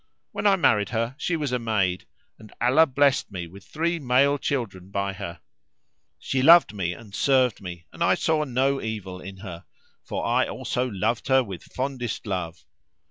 When I married her she was a maid [FN#358] and Allah blessed me with three male children by her; she loved me and served me and I saw no evil in her, for I also loved her with fondest love.